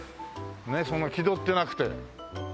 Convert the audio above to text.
そんな気取ってなくて。